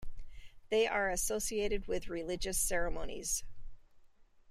They are associated with religious ceremonies.